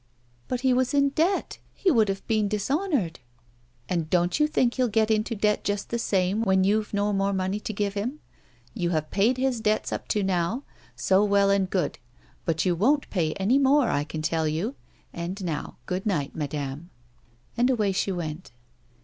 " Bat he was in debt, he would have been dishonoured." "And don't you think he'll get into debt just the same when you've no more money to give him 1 You have paid his debts up to now, so well and good ; but you won't pay any more, I can tell you. And now, good night, madame." And away she went.